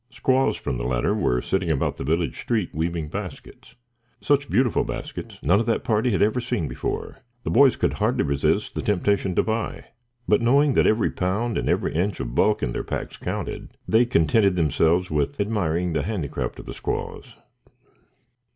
Squaws from the latter were sitting about the village street weaving baskets. Such beautiful baskets none of that party ever had seen before. The boys could hardly resist the temptation to buy, but knowing that every pound and every inch of bulk in their packs counted, they contented themselves with admiring the handicraft of the squaws.